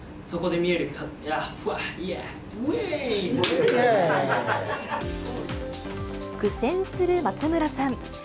そこで見える、いや、苦戦する松村さん。